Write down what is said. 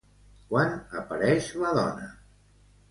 Quan apareix la dona?